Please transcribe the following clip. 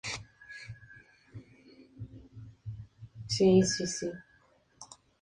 Son conocidos en Sudáfrica y Rusia.